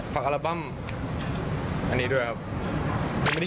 อัลบั้มอันนี้ด้วยครับ